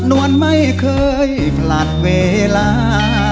นวลไม่เคยผลัดเวลา